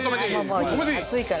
熱いから。